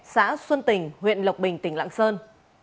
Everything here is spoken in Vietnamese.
xã xuân tình huyện lộc bình tỉnh lạng sơn